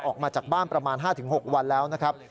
ออกมาจากบ้านประมาณ๕๖วันแล้วนะครับ